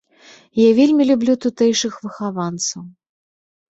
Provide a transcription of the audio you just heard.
Я вельмі люблю тутэйшых выхаванцаў.